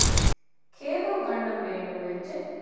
ކޭބަލް ގަންނަން ބޭނުންވެއްޖެ